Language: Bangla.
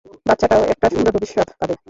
বাচ্চাটাও একটা সুন্দর ভবিষ্যৎ পাবে!